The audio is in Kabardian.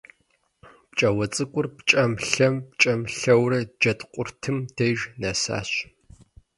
ПкӀауэ цӀыкӀур пкӀэм-лъэм, пкӀэм-лъэурэ Джэд къуртым деж нэсащ.